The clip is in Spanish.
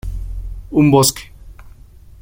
Un bosque.